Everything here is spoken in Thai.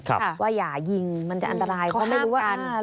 ค่ะว่าอย่ายิงมันจะอันตรายเพราะไม่รู้ว่าอ้าว